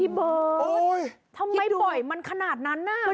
เบิร์ตทำไมปล่อยมันขนาดนั้นน่ะ